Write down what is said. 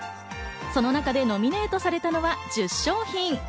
その中でノミネートされたのは１０商品。